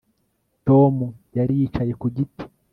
Tom yari yicaye ku giti